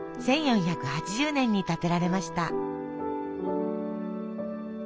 １４８０年に建てられました。